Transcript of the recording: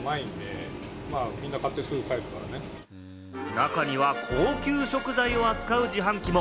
中には高級食材を扱う自販機も！